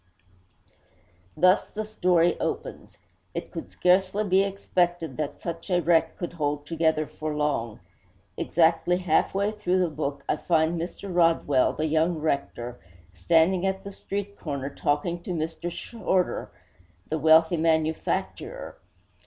Thus the story opens. It could scarcely be expected that such a wreck could hold together for long. Exactly half way through the book I find Mr. Rodwell, the young rector, standing at the street corner talking to Mr. Shorder, the wealthy manufacturer.